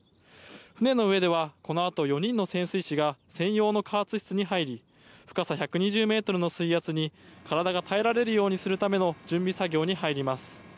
船の上ではこのあと４人の潜水士が専用の加圧室に入り深さ１２０ｍの水圧に体が耐えられるようにするための準備作業に入ります。